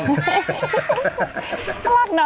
น่ารักนะ